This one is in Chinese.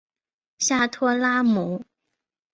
下托拉姆。